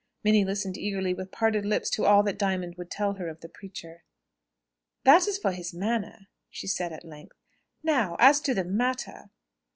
Minnie listened eagerly, with parted lips, to all that Diamond would tell her of the preacher. "That is for his manner," she said, at length. "Now, as to the matter?"